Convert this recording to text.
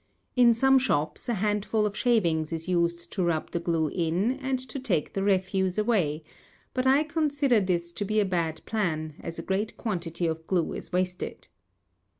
In some shops, a handful of shavings is used to rub the glue in, and to take the refuse away, but I consider this to be a bad plan, as a great quantity of glue is wasted.